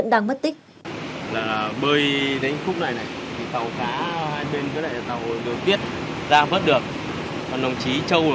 đang mất tích